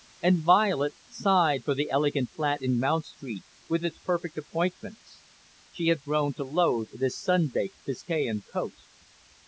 And Violet sighed for the elegant flat in Mount Street, with its perfect appointments. She had grown to loathe this sun baked Biscayan coast.